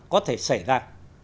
có thể xảy ra